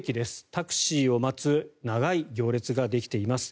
タクシーを待つ長い行列ができています。